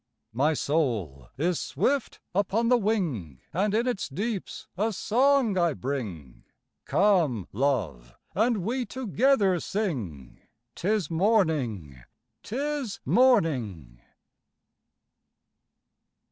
My soul is swift upon the wing, And in its deeps a song I bring; Come, Love, and we together sing, "'Tis morning, 'tis morning."